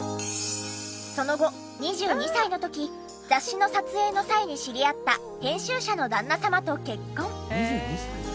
その後２２歳の時雑誌の撮影の際に知り合った編集者の旦那様と結婚。